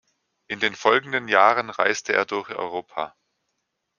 In den folgenden Jahren reiste er durch Europa.